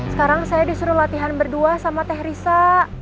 sekarang saya disuruh latihan berdua sama teh risa